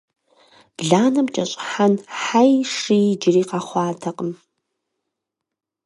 Бланэм кӀэщӀыхьэн хьэи шыи иджыри къэхъуатэкъым.